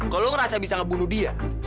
kalau ngerasa bisa ngebunuh dia